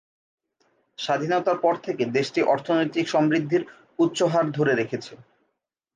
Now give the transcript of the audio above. স্বাধীনতার পর থেকে দেশটি অর্থনৈতিক সমৃদ্ধির উচ্চ হার ধরে রেখেছে।